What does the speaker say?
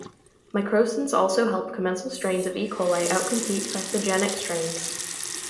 Microcins also help commensal strains of "E. coli" outcompete pathogenic strains.